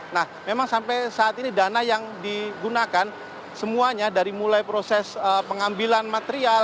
nah memang sampai saat ini dana yang digunakan semuanya dari mulai proses pengambilan material